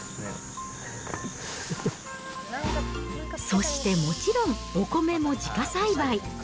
そしてもちろん、お米も自家栽培。